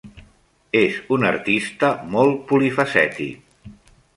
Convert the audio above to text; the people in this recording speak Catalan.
És un artista molt polifacètic.